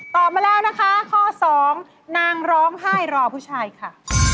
มาแล้วนะคะข้อสองนางร้องไห้รอผู้ชายค่ะ